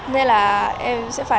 nên là em sẽ phải